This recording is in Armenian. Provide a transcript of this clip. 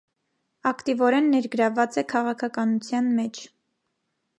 Ակտիվորեն ներգրավված է քաղաքականության մեջ։